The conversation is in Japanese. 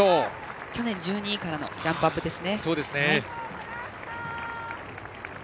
去年１２位からのジャンプアップですね。